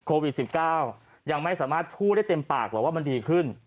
โควิด๑๙ยังไม่สามารถพูดได้เต็มปากหรอกว่ามันดีขึ้น